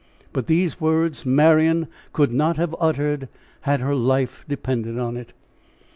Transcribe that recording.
But these words Marian could not have uttered had her life depended on it.